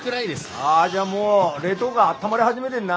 ああじゃあもう冷凍庫あったまり始めてんな。